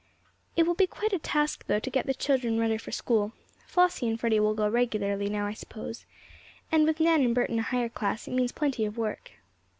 It will be quite a task, though, to get the children ready for school. Flossie and Freddie will go regularly now, I suppose, and with Nan and Bert in a higher class, it means plenty of work."